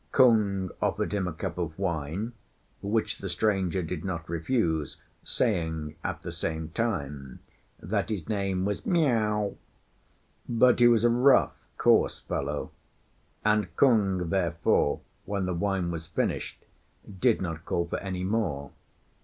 Kung offered him a cup of wine, which the stranger did not refuse; saying, at the same time, that his name was Miao. But he was a rough, coarse fellow; and Kung, therefore, when the wine was finished, did not call for any more.